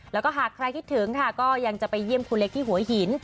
แล้วก็หากใครคิดถึงค่ะก็ยังจะไปเยี่ยมครูเล็กที่หัวหิน